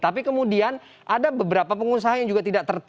tapi kemudian ada beberapa pengusaha yang juga tidak tertib